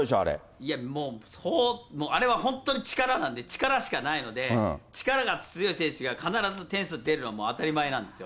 いやもう、あれは本当に力なんで、力しかないので、力が強い選手が必ず点数出るのは、もう当たり前なんですよ。